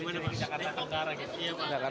bisa nyanyi dimana pak jakarta tenggara gitu